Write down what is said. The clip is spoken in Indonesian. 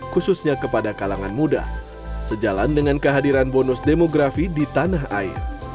khususnya kepada kalangan muda sejalan dengan kehadiran bonus demografi di tanah air